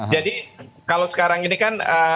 jadi kalau sekarang ini kan